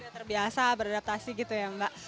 terbiasa beradaptasi gitu ya mbak